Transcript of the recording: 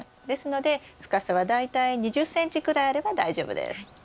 ですので深さは大体２０ｃｍくらいあれば大丈夫です。